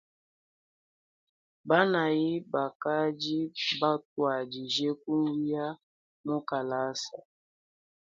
Banayi bakadi batuadije kuya mukalasa.